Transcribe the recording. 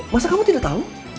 masa kamu tidak tahu